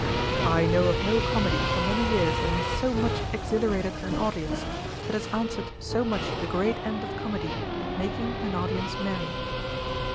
'I know of no comedy for many years that has so much exhilarated an audience, that has answered so much the great end of comedy making an audience merry.'